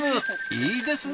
いいですね